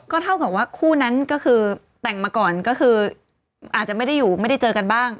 เท่ากับว่าคู่นั้นก็คือแต่งมาก่อนก็คืออาจจะไม่ได้อยู่ไม่ได้เจอกันบ้าง